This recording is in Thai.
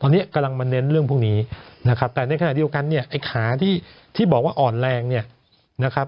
ตอนนี้กำลังมาเน้นเรื่องพวกนี้นะครับแต่ในขณะเดียวกันเนี่ยไอ้ขาที่บอกว่าอ่อนแรงเนี่ยนะครับ